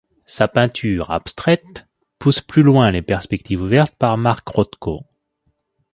Sa peinture, abstraite, pousse plus loin les perspectives ouvertes par Mark Rothko.